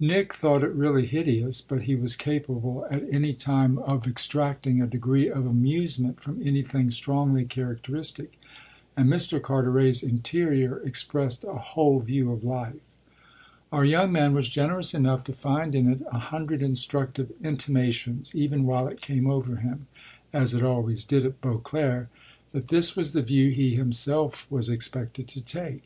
Nick thought it really hideous, but he was capable at any time of extracting a degree of amusement from anything strongly characteristic, and Mr. Carteret's interior expressed a whole view of life. Our young man was generous enough to find in it a hundred instructive intimations even while it came over him as it always did at Beauclere that this was the view he himself was expected to take.